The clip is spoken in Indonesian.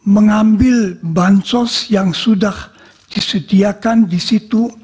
mengambil bansos yang sudah disediakan di situ